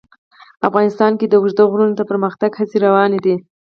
افغانستان کې د اوږده غرونه د پرمختګ هڅې روانې دي.